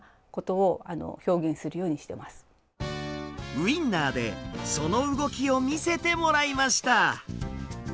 ウインナーでその動きを見せてもらいました。